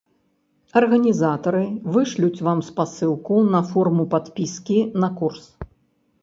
Арганізатары вышлюць вам спасылку на форму падпіскі на курс.